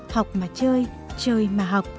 học mà chơi chơi mà học